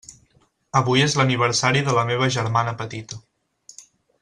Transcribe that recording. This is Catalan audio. Avui és l'aniversari de la meva germana petita.